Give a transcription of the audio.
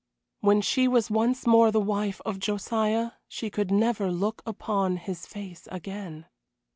When she was once more the wife of Josiah she could never look upon his face again.